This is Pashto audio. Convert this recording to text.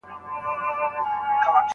ځيني خلک تفريطي چلند کوي.